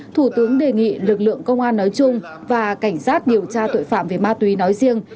thủ tướng đề nghị lực lượng công an nói chung và cảnh sát điều tra tội phạm về ma túy nói riêng